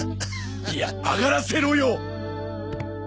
いや上がらせろよ！